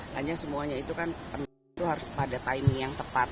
hanya semuanya itu kan harus pada timing yang tepat